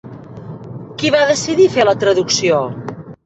Qui va decidir fer la traducció?